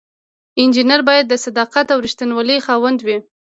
انجینر باید د صداقت او ریښتینولی خاوند وي.